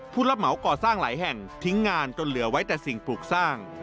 ผู้รับเหมาก่อสร้างหลายแห่งทิ้งงานจนเหลือไว้แต่สิ่งปลูกสร้าง